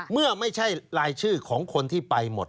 เมื่อไม่ใช่รายชื่อของคนที่ไปหมด